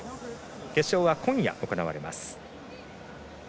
決勝は今夜行われます。